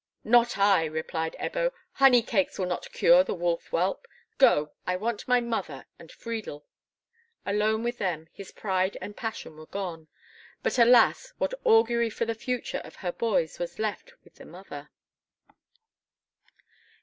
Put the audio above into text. "Not I," replied Ebbo; "honey cakes will not cure the wolf whelp. Go: I want my mother and Friedel." Alone with them his pride and passion were gone; but alas! what augury for the future of her boys was left with the mother!